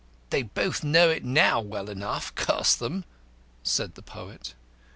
"They both know it now well enough, curse 'em," said the poet.